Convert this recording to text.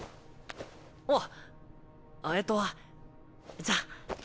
あっえっとじゃあ。